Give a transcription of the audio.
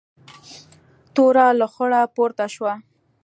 توره لوخړه پورته شوه.